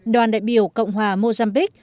đoàn đại biểu cộng hòa mozambique